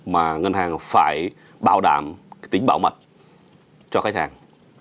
mà ngân hàng phải bảo đảm tính bảo mật cho khách hàng